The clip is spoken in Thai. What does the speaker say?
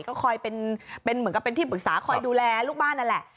ก็คอยเป็นเหมือนกับเป็นที่ปรึกษาคอยดูแลลูกบ้านนั่นแหละ